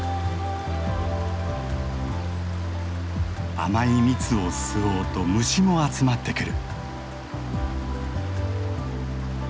甘い蜜を吸おうと虫も集まってくる。